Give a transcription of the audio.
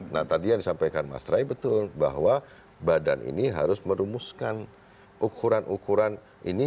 nah tadi yang disampaikan mas ray betul bahwa badan ini harus merumuskan ukuran ukuran ini